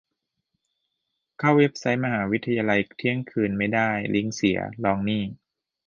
เข้าเว็บไซต์มหาวิทยาลัยเที่ยงคืนไม่ได้ ? ลิงก์เสีย ? ลองนี่